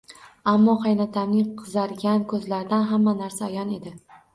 Ammo qaynotamning qizargan koʻzlaridan hamma narsa ayon edi